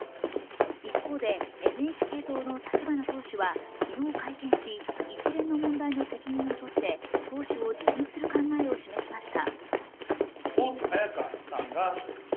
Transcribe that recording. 一方でＮＨＫ党の立花党首は昨日会見し一連の問題の責任を取って党首を辞任する考えを示しました。